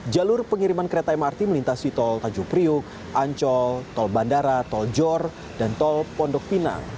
jalur pengiriman kereta mrt melintasi tol tanjung priuk ancol tol bandara tol jor dan tol pondok pinang